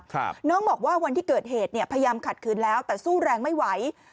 น้องบอกว่าวันที่เกิดเหตุเนี่ยพยายามขัดคืนแล้วแต่สู้แรงไม่ไหว